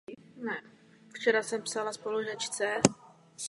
Na Papežské univerzitě Gregoriana získal doktorát z teologie.